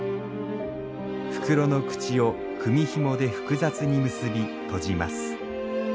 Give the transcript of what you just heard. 袋の口を組みひもで複雑に結び閉じます。